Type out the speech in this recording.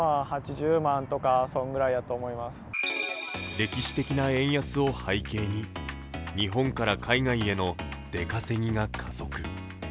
歴史的な円安を背景に、日本から海外への出稼ぎが加速。